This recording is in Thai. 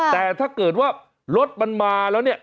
แต่ถ้าเกิดว่ารถมันมาแล้วเนี่ย